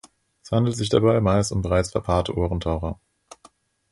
Es handelt sich dabei meist um bereits verpaarte Ohrentaucher.